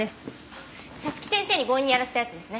早月先生に強引にやらせたやつですね。